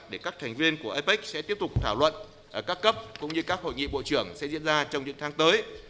để các thành viên của apec sẽ tiếp tục thảo luận ở các cấp cũng như các hội nghị bộ trưởng sẽ diễn ra trong những tháng tới